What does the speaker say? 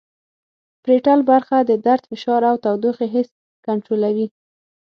پریټل برخه د درد فشار او تودوخې حس کنترولوي